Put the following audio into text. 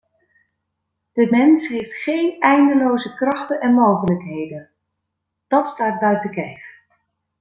De mens heeft geen eindeloze krachten en mogelijkheden: dat staat buiten kijf.